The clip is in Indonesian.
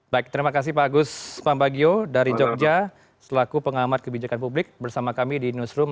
baik terima kasih pak agus pambagio dari jogja selaku pengamat kebijakan publik bersama kami di newsroom